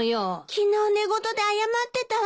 昨日寝言で謝ってたわ。